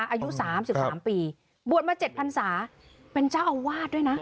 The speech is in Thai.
อายุสามสิบสามปีบวชมาเจ็ดพันศาเป็นเจ้าอาวาสด้วยนะ